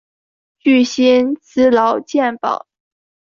具薪资劳健保